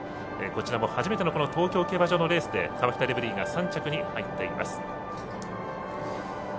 こちらも初めての東京競馬場のレースでカワキタレブリーが３着に入っています。